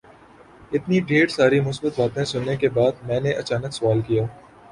اتنی ڈھیر ساری مثبت باتیں سننے کے بعد میں نے اچانک سوال کیا